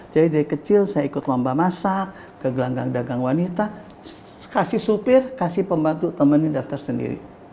jadi dari kecil saya ikut lomba masak ke gelanggang gelanggang wanita kasih supir kasih pembantu temenin daftar sendiri